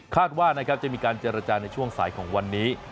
ว่านะครับจะมีการเจรจาในช่วงสายของวันนี้